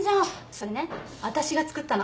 それねわたしが作ったの。